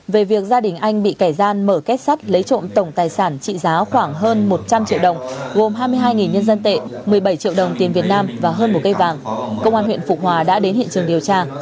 về việc gia đình anh bị kẻ gian mở kết sắt lấy trộm tổng tài sản trị giá khoảng hơn một trăm linh triệu đồng gồm hai mươi hai nhân dân tệ một mươi bảy triệu đồng tiền việt nam và hơn một cây vàng công an huyện phục hòa đã đến hiện trường điều tra